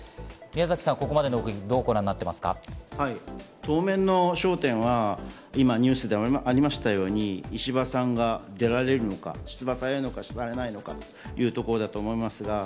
ここまでに聞いてど当面の焦点は今、ニュースでもありましたように、石破さんが出られるのか出馬されるのかされないのかというところだと思います。